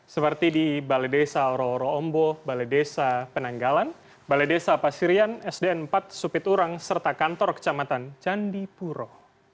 seperti di balai desa roro roombo balai desa penanggalan balai desa pasirian sdn empat supiturang serta kantor kecamatan candipuro